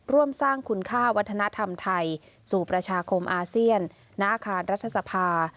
ร่วมสร้างคุณค่าวัฒนธรรมไทยสู่ประชาคมอาเซียนหน้าอาคารรัฐสภา